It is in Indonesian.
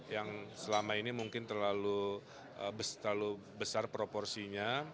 yang selama ini mungkin terlalu besar proporsinya